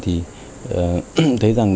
thì thấy rằng